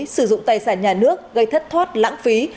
sử dụng tài sản nhà nước gây thất thoát lãng phí